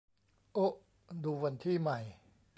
โอ๊ะ ดูวันที่ใหม่